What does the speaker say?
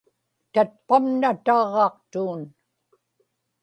tatpamna taġġaqtuun